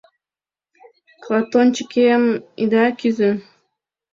Клатончыкем ида кӱзӧ -